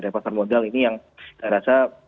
dari pasar modal ini yang saya rasa